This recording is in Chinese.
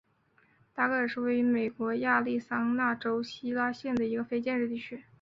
达格尔是位于美国亚利桑那州希拉县的一个非建制地区。